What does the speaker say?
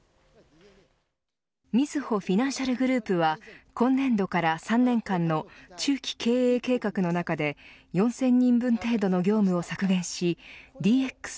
みずほフィナンシャルグループは今年度から３年間の中期経営計画の中で４０００人分程度の業務を削減しＤＸ